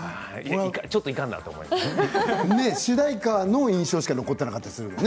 主題歌の印象しか残っていなかったですよね